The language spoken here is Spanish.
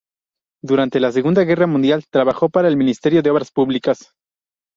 Durante la Segunda Guerra Mundial trabajó para el Ministerio de Obras Públicas.